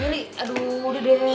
meli kamu mau ajak bebe pianin ke sini